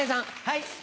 はい。